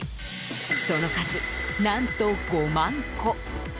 その数、何と５万戸。